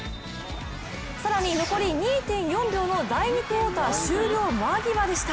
更に残り２．４秒の第２クオーター終了間際でした。